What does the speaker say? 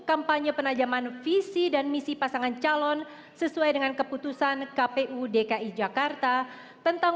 kampanye penajaman visi dan misi pasangan calon sesuai dengan keputusan kpu dki jakarta tentang